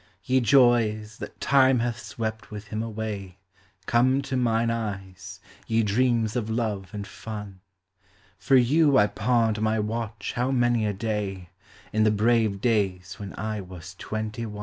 Ye joys, that Time hath swept with him away. Come to mine eyes, ye dreams of love and fun ; For you I pawned my watch how many a day, In the brave days when I was twenty one.